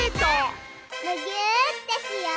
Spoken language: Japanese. むぎゅーってしよう！